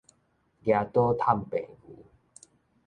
攑刀探病牛